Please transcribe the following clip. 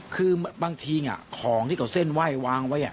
คือบางทีของที่เขาเส้นไหว้วางไว้